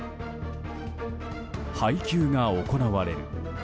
配給が行われる。